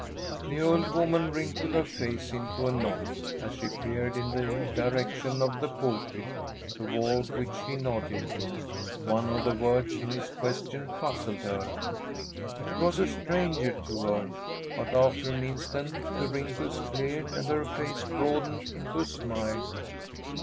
The old woman wrinkled her face into a knot as she peered in the direction of the pulpit, toward which he nodded. One of the words in his question puzzled her. It was a stranger to her. But, after an instant, the wrinkles cleared and her face broadened into a smile.